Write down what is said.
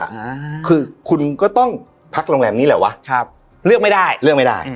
อ่าคือคุณก็ต้องพักโรงแรมนี้แหละวะครับเลือกไม่ได้เลือกไม่ได้